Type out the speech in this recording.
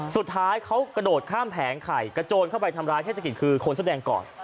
สุดท้ายเขากระโดดข้ามแผงไข่กระโจนเข้าไปทำร้ายเทศกิจคือคนเสื้อแดงก่อน